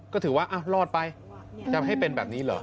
ก็ถือว่ารอดไปจะให้เป็นแบบนี้เหรอ